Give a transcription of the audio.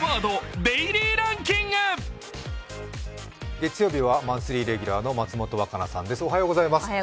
月曜日はマンスリーレギュラーの松本若菜さんです。